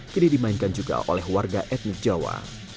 kini dimainkan juga oleh warga etnik jawa